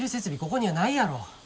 ここにはないやろ。